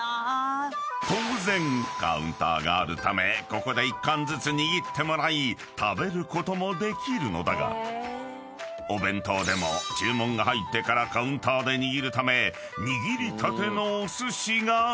［当然カウンターがあるためここで１貫ずつ握ってもらい食べることもできるのだがお弁当でも注文が入ってからカウンターで握るため］